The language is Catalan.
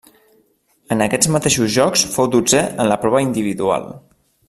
En aquests mateixos Jocs fou dotzè en la prova individual.